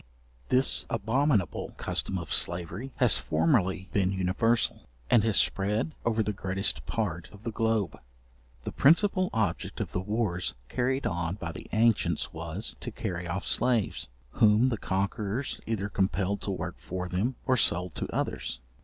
This abominable custom of slavery has formerly been universal, and has spread over the greatest part of the globe. The principal object of the wars carried on by the ancients was, to carry off slaves, whom the conquerors either compelled to work for them, or sold to others.